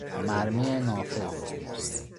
مرمی نافذ